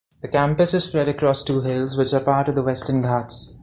The campus is spread across two hills which are part of the Western Ghats.